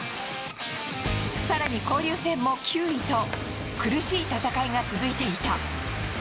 さらに交流戦も９位と、苦しい戦いが続いていた。